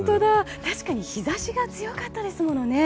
確かに日差しが強かったですものね。